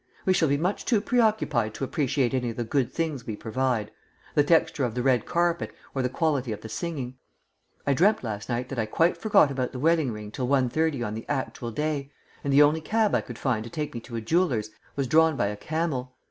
We shall be much too preoccupied to appreciate any of the good things we provide the texture of the red carpet or the quality of the singing. I dreamt last night that I quite forgot about the wedding ring till 1.30 on the actual day, and the only cab I could find to take me to a jeweller's was drawn by a camel.